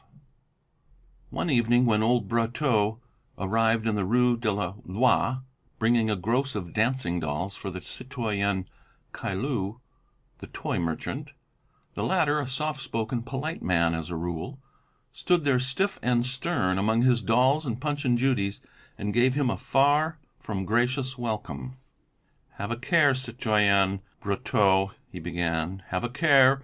XII One evening when old Brotteaux arrived in the Rue de la Loi bringing a gross of dancing dolls for the citoyen Caillou, the toy merchant, the latter, a soft spoken, polite man as a rule, stood there stiff and stern among his dolls and punch and judies and gave him a far from gracious welcome. "Have a care, citoyen Brotteaux," he began, "have a care!